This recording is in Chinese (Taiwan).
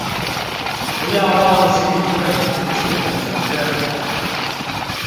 不要忘記對環境的責任